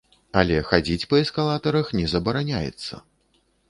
Але хадзіць па эскалатарах не забараняецца.